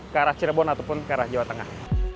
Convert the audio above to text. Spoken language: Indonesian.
ke arah cirebon ataupun ke arah jawa tengah